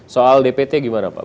soal dpt bagaimana pak